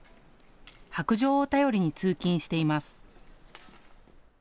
白じょうを頼りに通勤しています。